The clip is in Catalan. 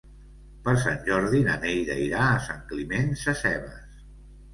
Per Sant Jordi na Neida irà a Sant Climent Sescebes.